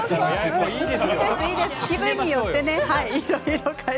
気分によってね。